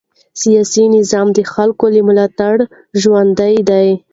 سیاسي نظام د خلکو له ملاتړ ژوندی دی